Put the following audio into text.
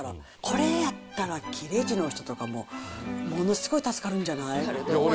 これやったら切れ痔の人とかも、ものすごく助かるんじゃない？